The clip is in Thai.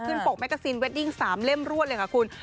ขึ้นปกแมกกระซินเวดดิ่ง๓เล่มรวดเลยค่ะคุณ